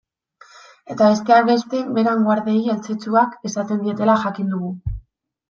Eta, besteak beste, Beran guardiei eltzetzuak esaten dietela jakin dugu.